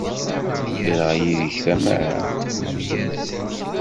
Ddreɣ yid-k tamara.